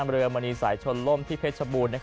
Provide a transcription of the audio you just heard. เมื่อมณีสายชนล่มที่เพชฌบูน